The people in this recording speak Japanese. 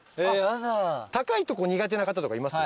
高いとこ苦手な方とかいます？